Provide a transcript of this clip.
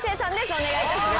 お願いいたします。